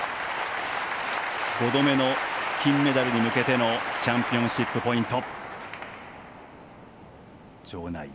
５度目の金メダルに向けてのチャンピオンシップポイント。